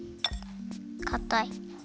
かたい。